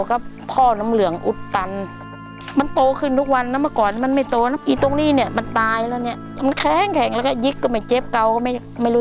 และเพลงเก่งของลิตนะครับ